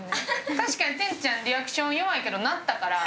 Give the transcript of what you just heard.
確かに天ちゃんリアクション弱いけど鳴ったから。